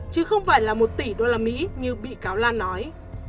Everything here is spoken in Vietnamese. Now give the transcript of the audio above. chứ không phải là một tỷ đô la mỹ như bị cáo lan nói